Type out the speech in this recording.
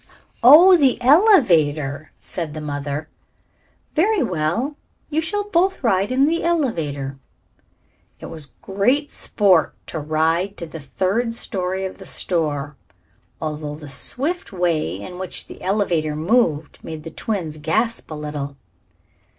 "Oh, the elevator," said the mother. "Very well, you shall both ride in the elevator." It was great sport to ride to the third story of the store, although the swift way in which the elevator moved made the twins gasp a little.